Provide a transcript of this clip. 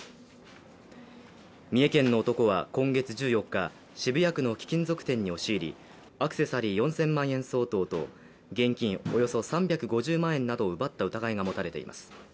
三重県の男は今月１４日、渋谷区の貴金属店に押し入りアクセサリー４０００万円相当と現金およそ３５０万円などを奪った疑いが持たれています。